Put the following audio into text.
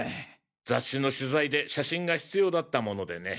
雑誌の取材で写真が必要だったものでね。